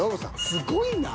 すごいな。